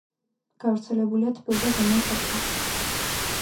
გავრცელებულია თბილ და ზომიერ სარტყელში.